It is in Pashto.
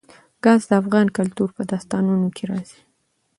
ګاز د افغان کلتور په داستانونو کې راځي.